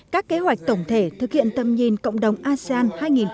các kế hoạch tổng thể thực hiện tầm nhìn cộng đồng asean hai nghìn hai mươi năm